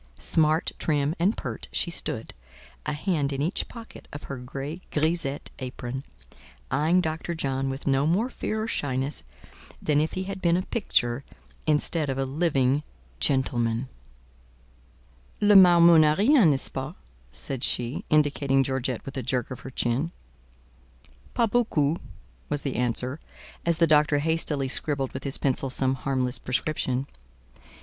Smart, trim and pert, she stood, a hand in each pocket of her gay grisette apron, eyeing Dr. John with no more fear or shyness than if he had been a picture instead of a living gentleman. "Le marmot n'a rien, nest ce pas?" said she, indicating Georgette with a jerk of her chin. "Pas beaucoup," was the answer, as the doctor hastily scribbled with his pencil some harmless prescription.